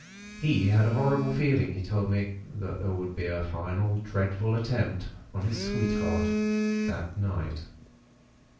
He had a horrible feeling, he told me, that there would be a final, dreadful attempt on his sweetheart, that night.